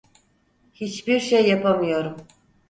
Hiçbir şey yapamıyorum.